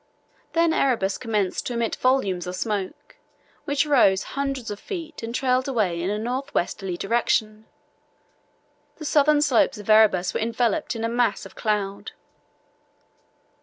Then Erebus commenced to emit volumes of smoke, which rose hundreds of feet and trailed away in a north westerly direction. The southern slopes of Erebus were enveloped in a mass of cloud."